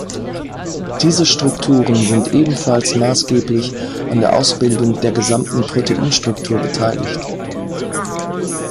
Diese Strukturen sind ebenfalls maßgeblich an der Ausbildung der gesamten Proteinstruktur beteiligt.